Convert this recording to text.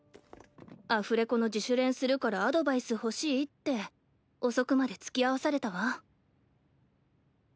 アフレコの自主練するからアドバイス欲しいって遅くまでつきあわされたわ。